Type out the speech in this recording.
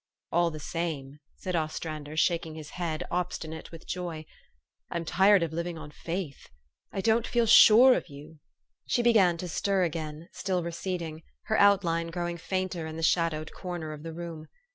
" All the same," said Ostrander, shaking his head, obstinate with joy, "I'm tired of living on faith. I don't feel sure of you." She began to stir again, still receding, her outline growing fainter in the shadowed corner of the room.